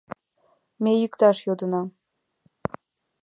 — Ме йӱкташ йодына!..